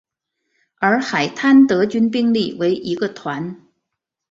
而海滩德军兵力为一个团。